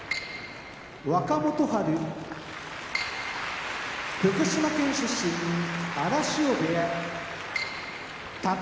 若元春福島県出身荒汐部屋宝